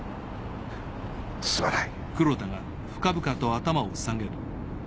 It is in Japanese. すまない。